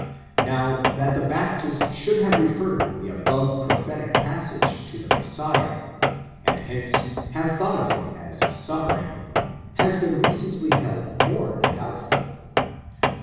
4° Now that the Baptist should have referred the above prophetic passage to the Messiah, and hence have thought of him as suffering, has been recently held more than doubt ful."